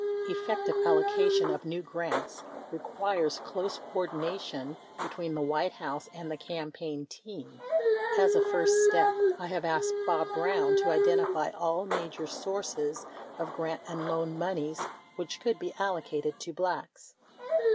Effective allocation of new grants requires close coordina tion between the White House and the Campaign team. As a first step, I have asked Bob Brown to identify all major sources of grant and loan moneys which could be allocated to Blacks.